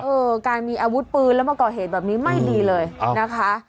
เออการมีอาวุธปืนแล้วมาก่อเหตุแบบนี้ไม่ดีเลยนะคะ